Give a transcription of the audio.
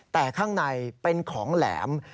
แต่ข้างในเป็นของแหลม